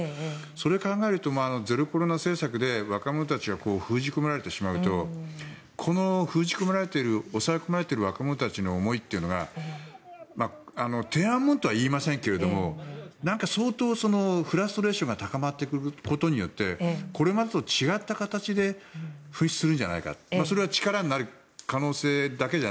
それを考えるとゼロコロナ政策で若者たちが封じ込められてしまうとこの封じ込められている抑え込まれている若者たちの思いというのが天安門とはいいませんが相当、フラストレーションが高まってくることによってこれまでと違った形で噴出するんじゃないかと。